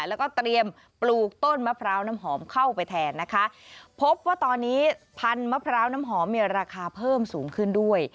แล้วก็เตรียมปลูกต้นมะพร้าวน้ำหอมเข้าไปแทนนะคะพบว่าตอนนี้พันธุ์มะพร้าวน้ำหอมมีราคาเพิ่มสูงขึ้นด้วย